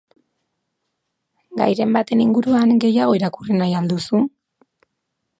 Gairen baten inguruan gehiago irakurri nahi duzu?